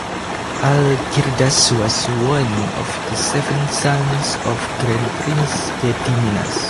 Algirdas was one of the seven sons of Grand Prince Gediminas.